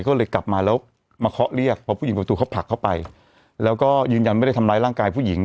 ก็เลยกลับมาแล้วมาเคาะเรียกพอผู้หญิงประตูเขาผลักเข้าไปแล้วก็ยืนยันไม่ได้ทำร้ายร่างกายผู้หญิง